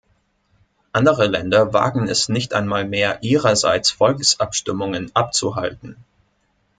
Andere Länder wagen es nicht einmal mehr, ihrerseits Volksabstimmungen abzuhalten.